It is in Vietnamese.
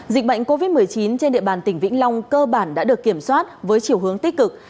dịch bệnh covid một mươi chín trên địa bàn tỉnh vĩnh long cơ bản đã được kiểm soát với chiều hướng tích cực